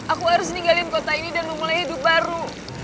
aku harus meninggalin kota ini dan memulai hidup baru